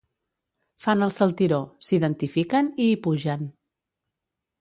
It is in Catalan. Fan el saltiró, s'identifiquen i hi pugen.